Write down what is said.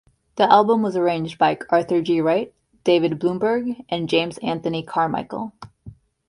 The album was arranged by Arthur G. Wright, David Blumberg and James Anthony Carmichael.